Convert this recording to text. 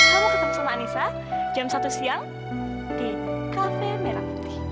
kamu ketemu sama anissa jam satu siang di kafe merah putih